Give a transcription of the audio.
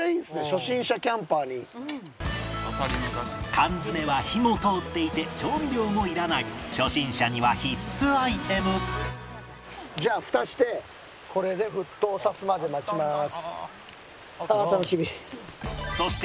缶詰は火も通っていて調味料もいらない初心者には必須アイテムじゃあ蓋してこれでああー楽しみ！